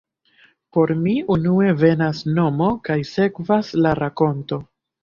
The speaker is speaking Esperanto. Por mi unue venas nomo kaj sekvas la rakonto.